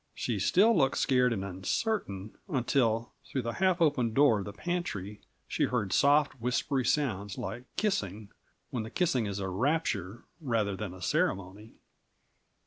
She still looked scared and uncertain, until, through the half open door of the pantry, she heard soft, whispery sounds like kissing when the kissing is a rapture rather than a ceremony.